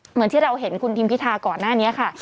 เหมือนที่เราเห็นคุณทิมพิธาก่อนหน้านี้ค่ะ